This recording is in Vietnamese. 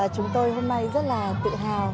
chúng tôi hôm nay rất là tự hào